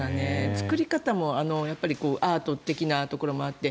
作り方もアート的なところもあって